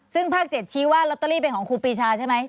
ซึ่งภาค๗ชี้ว่าลอตเตอรี่เป็นของครูปีชาใช่ไหม